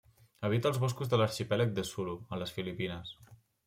Habita els boscos de l'arxipèlag de Sulu, a les Filipines.